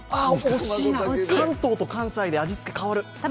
関東と関西で味付けが変わる。